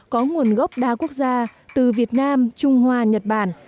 có nguồn gốc đa quốc gia từ việt nam trung hoa nhật bản